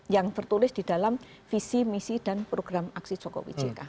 yang tertulis di dalam visi misi dan program aksi jokowi jk